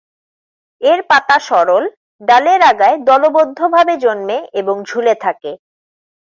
এর পাতা সরল, ডালের আগায় দলবদ্ধভাবে জন্মে এবং ঝুলে থাকে।